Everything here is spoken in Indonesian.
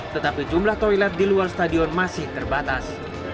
tetapi jumlah toilet di luar stadion masih terbatas